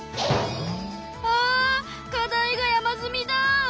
あ課題が山積みだ。